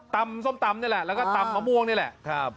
ตำส้มตำนี้แหละและตำมะม่วงนี้แหละครับ